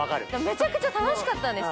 めちゃくちゃ楽しかったんです。